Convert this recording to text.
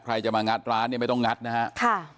ใครจะมางัดร้านไม่ต้องงัดนะครับ